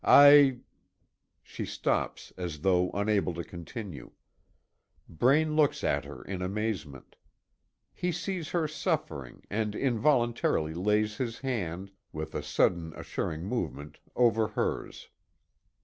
I " She stops as though unable to continue. Braine looks at her in amazement. He sees her suffering, and involuntarily lays his hand, with a sudden, assuring movement over hers.